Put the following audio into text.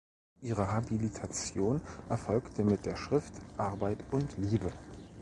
Ihre Habilitation erfolgte mit der Schrift "Arbeit und Liebe.